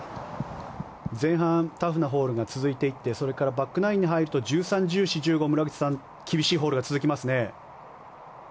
前半タフなホールが続いていってそれからバックナインに入ると１３、１４、１５村口さん厳しいホールが続きますね。